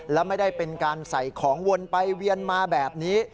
และไม่ได้เป็นการใส่ของวนไปเวียนมาแบบนี้